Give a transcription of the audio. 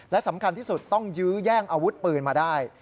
และสำคัญที่สุดต้องยื้อแย่งอาวุธปืนมาได้